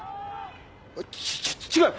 ち違う！